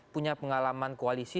punya pengalaman koalisi